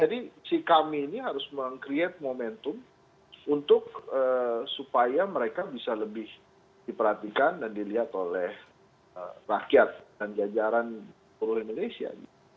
jadi si kami ini harus menciptakan momentum supaya mereka bisa lebih diperhatikan dan dilihat oleh rakyat dan jajaran di seluruh malaysia